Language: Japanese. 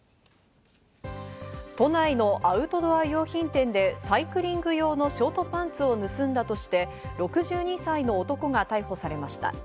都内のアウトドア用品店で、サイクリング用のショートパンツを盗んだとして、６２歳の男が逮捕されました。